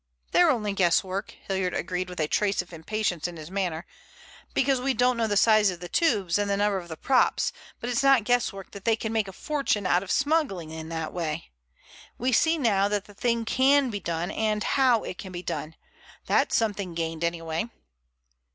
"They're only guesswork," Hilliard agreed with a trace of impatience in his manner, "because we don't know the size of the tubes and the number of the props, but it's not guesswork that they can make a fortune out of smuggling in that way. We see now that the thing can be done, and how it can be done. That's something gained anyway."